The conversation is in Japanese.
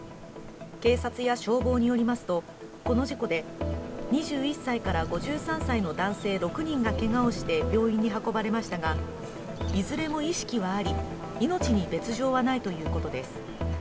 警察や消防によりますとこの事故で２１歳から５３歳の男性６人がけがをして病院に運ばれましたがいずれも意識はあり命に別状はないということです。